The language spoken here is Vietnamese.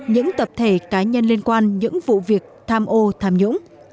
những tập thể cá nhân liên quan những vụ việc tham ô tham nhũng